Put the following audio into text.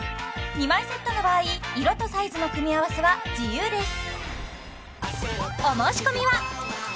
２枚セットの場合色とサイズの組み合わせは自由です